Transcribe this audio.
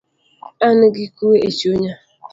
An gi kue echunya